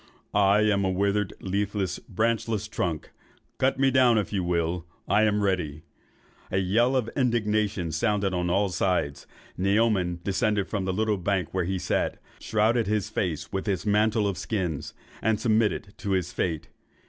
I am a withered, leafless, branchless trunk; cut me down if you will. I am ready.' A yell of indignation sounded on all sides. Naoman descended from the little bank where he sat, shrouded his face with his mantle of skins, and submitted to his fate.